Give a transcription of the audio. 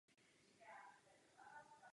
Pro vyšší tlaky se užívají kompresory.